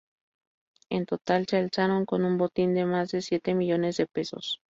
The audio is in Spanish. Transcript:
En total, se alzaron con un botín de más de siete millones de pesos.